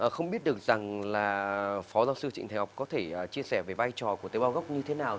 không biết được rằng là phó giáo sư trịnh thái học có thể chia sẻ về vai trò của tế bào gốc như thế nào